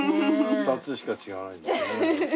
２つしか違わないですね。